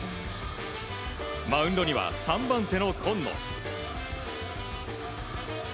マウンドには３番手の今野。